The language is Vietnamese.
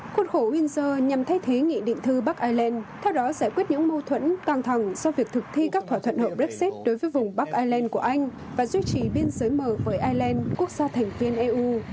khuôn khổ windsor nhằm thay thế nghị định thư bắc island theo đó giải quyết những mô thuẫn toàn thẳng do việc thực thi các thỏa thuận hợp brexit đối với vùng bắc island của anh và duy trì biên giới mở với ireland quốc gia thành viên eu